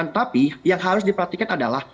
tapi yang harus diperhatikan adalah